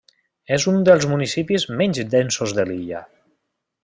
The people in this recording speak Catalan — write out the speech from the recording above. És un dels municipis menys densos de l'illa.